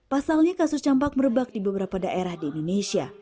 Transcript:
pasalnya kasus campak merebak di beberapa daerah di indonesia